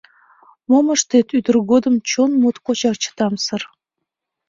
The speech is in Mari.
Мом ыштет, ӱдыр годым чон моткочак чытамсыр.